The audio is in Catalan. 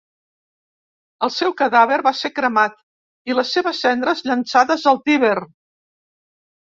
El seu cadàver va ser cremat i les seves cendres llançades al Tíber.